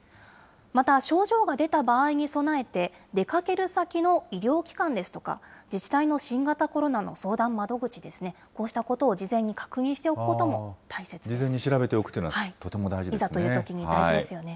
また症状が出た場合に備えて、出かける先の医療機関ですとか、自治体の新型コロナの相談窓口ですね、こうしたことを事前に確認し事前に調べておくというのはいざというときに大事ですよね。